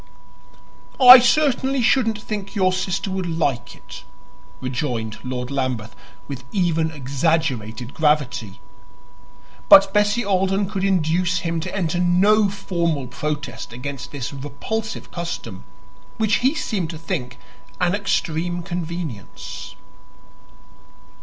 "I certainly shouldn't think your sister would like it," rejoined Lord Lambeth with even exaggerated gravity. But Bessie Alden could induce him to enter no formal protest against this repulsive custom, which he seemed to think an extreme convenience.